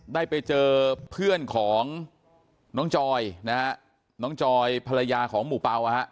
ได้ไปเจอเพื่อนของน้องจอยนะฮะน้องจอยภรรยาของหมู่เปล่านะฮะ